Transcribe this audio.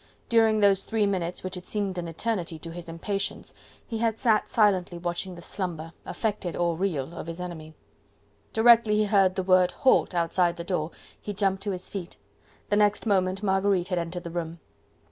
During those three minutes, which had seemed an eternity to his impatience, he had sat silently watching the slumber affected or real of his enemy. Directly he heard the word: "Halt!" outside the door, he jumped to his feet. The next moment Marguerite had entered the room.